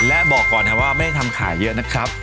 และบอกก่อนนะว่าไม่ได้ทำขายเยอะนะครับ